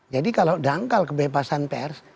jadi kalau dangkal kebebasan pers